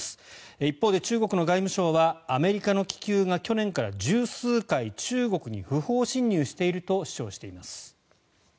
一方で、中国の外務省はアメリカの気球が去年から１０数回中国に不法侵入していると主張しています。